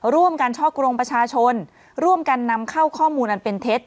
ร่วมกันช่อกงประชาชนร่วมกันนำเข้าข้อมูลอันเป็นเท็จ